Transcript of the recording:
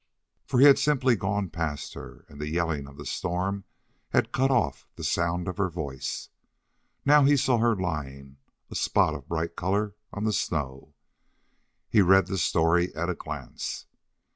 For he had simply gone past her, and the yelling of the storm had cut off the sound of her voice. Now he saw her lying, a spot of bright color on the snow. He read the story at a glance.